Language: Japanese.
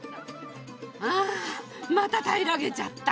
ああまた平らげちゃった。